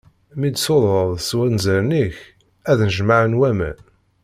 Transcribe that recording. Mi d-tṣuḍeḍ s wanzaren-ik, ad nnejmaɛen waman.